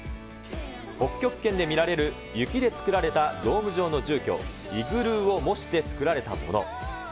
北極圏で見られる雪で作られたドーム状の住居、イグルーを模して作られたもの。